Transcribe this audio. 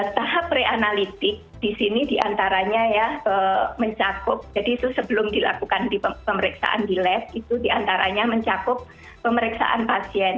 tahap pre analitik di sini diantaranya ya mencakup jadi itu sebelum dilakukan pemeriksaan di lab itu diantaranya mencakup pemeriksaan pasien